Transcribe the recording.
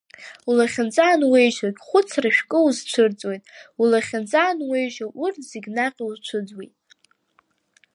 Улахьынҵа ануеижьогь, хәыцра шәкы узцәырҵуеит, улахьынҵа ануеижьо, урҭ зегь наҟ иуцәыӡуеит.